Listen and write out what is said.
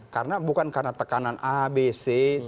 karena bukan karena tekanan abcd